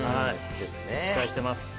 期待しています。